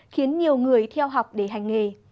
khiến nhiều người theo học để hành nghề